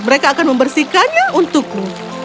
mereka akan membersihkannya untukmu